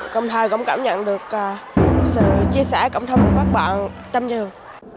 công thời cũng cảm nhận được sự chia sẻ cộng thông của các bạn trong giường